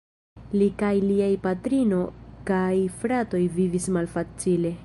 Li kaj liaj patrino kaj fratoj vivis malfacile.